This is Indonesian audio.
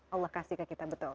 allah kasih ke kita betul